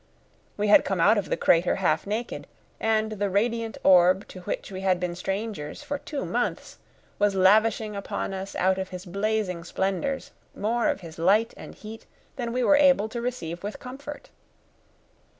We had come out of the crater half naked, and the radiant orb to which we had been strangers for two months was lavishing upon us out of his blazing splendours more of his light and heat than we were able to receive with comfort.